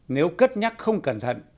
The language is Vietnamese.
nếu cất nhắc không cẩn thận